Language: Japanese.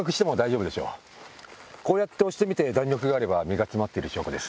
こうやって押して弾力があれば実が詰まっている証拠です。